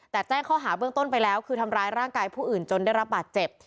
แต่แจ้งข้อหาเบื้องต้นไปแล้วคือทำร้ายร่างกายผู้อื่นจนได้รับบาดเจ็บ